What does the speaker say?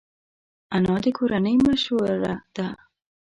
انا د کورنۍ مشوره ده